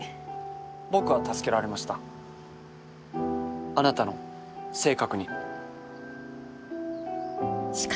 僕は助けられましたあなたの性格に。